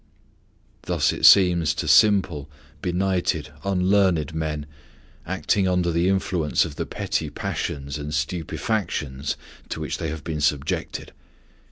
Thus it seems to simple, benighted, unlearned men, acting under the influence of the petty passions and stupefaction to which they have been subjected.